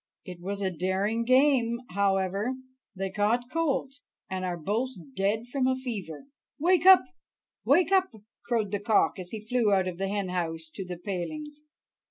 "It was a daring game; however, they caught cold, and are both dead from a fever." "Wake up! wake up!" crowed the cock as he flew out of the hen house to the palings.